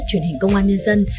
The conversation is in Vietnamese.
truyền hình công an nhân dân